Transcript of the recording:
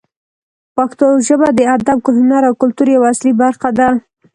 پښتو ژبه د ادب، هنر او کلتور یوه اصلي برخه ده.